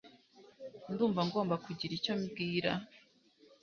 Ndumva ngomba kugira icyo mbwira